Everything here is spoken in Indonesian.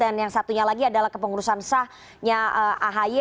dan yang satunya lagi adalah kepengurusan sahnya ahy